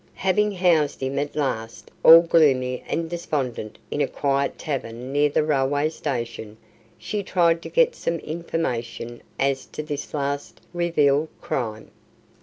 Having housed him at last all gloomy and despondent in a quiet tavern near the railway station, she tried to get some information as to this last revealed crime.